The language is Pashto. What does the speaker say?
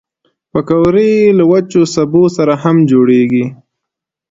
پکورې له وچو سبو سره هم جوړېږي